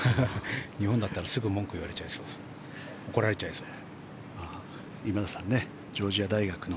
日本だったらすぐ文句言われちゃいそう怒られちゃいそう。